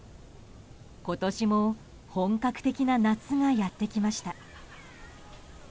今年も本格的な夏がやってきました。